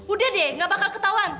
udah deh nggak bakal ketauan